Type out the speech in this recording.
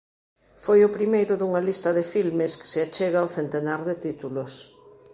Foi o primeiro dunha lista de filmes que se achega ao centenar de títulos.